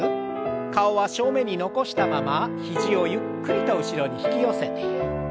顔は正面に残したまま肘をゆっくりと後ろに引き寄せて。